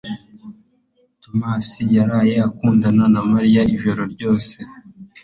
Tomasi yaraye akundana na Mariya ijoro ryose.